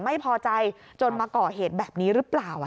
ไม่พอใจจนมาก่อเหตุแบบนี้หรือเปล่า